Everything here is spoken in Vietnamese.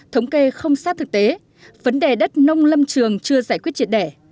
thống kê không xác thực tế vấn đề đất nông lâm trường chưa giải quyết triển đẻ